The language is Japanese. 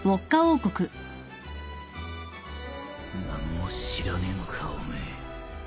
何も知らねえのかお前